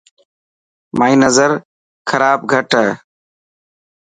مائي نظر خراب گھٽ هي.